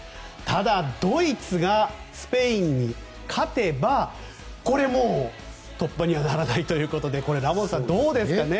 ただ、ドイツがスペインに勝てばこれもう突破にはならないということでラモスさん、どうですかね。